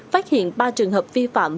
phát hiện ba trường hợp vi phạm